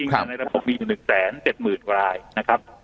ของในระบบมี๑แสน๗๐๐๐๐กว่าลายนะครับ